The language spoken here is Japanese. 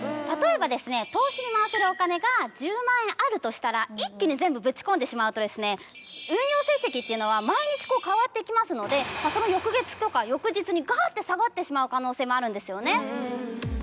例えば投資に回せるお金が１０万円あるとしたら一気に全部ぶち込んでしまうと運用成績っていうのは毎日変わっていきますのでその翌月とか翌日にガって下がってしまう可能性もあるんですよね。